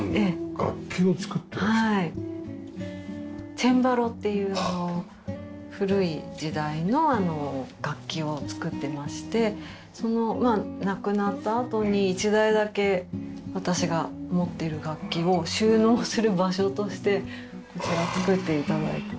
チェンバロっていう古い時代の楽器を作ってましてまあ亡くなったあとに１台だけ私が持っている楽器を収納する場所としてこちら作って頂いてます。